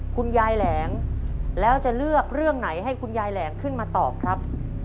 คุณยายแหลงแล้วจะเลือกเรื่องไหนให้คุณยายแหลงขึ้นมาตอบครับ